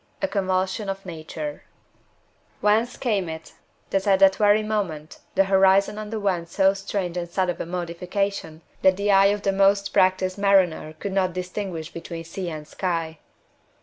A CONVULSION OF NATURE Whence came it that at that very moment the horizon underwent so strange and sudden a modification, that the eye of the most practiced mariner could not distinguish between sea and sky?